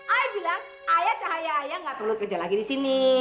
ay bilang ayah cahaya ayah tidak perlu bekerja lagi di sini